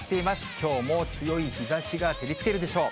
きょうも強い日ざしが照りつけるでしょう。